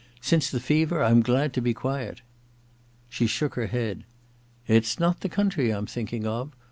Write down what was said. • Since the fever I'm glad to be quiet.' She shook her head. * It's not the country I'm thinking of.